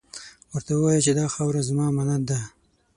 ورته ووایه چې دا خاوره ، ستا امانت ده.